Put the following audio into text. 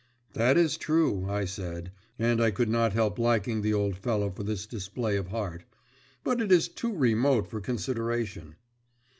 "That is true," I said, and I could not help liking the old fellow for this display of heart. "But it is too remote for consideration."